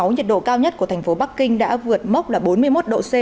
nhiệt độ cao nhất của thành phố bắc kinh đã vượt mốc là bốn mươi một độ c